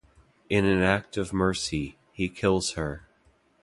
In an act of mercy, he kills her.